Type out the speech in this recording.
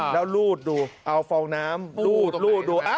แล้วรูดดูเอาฟองน้ำรูดดู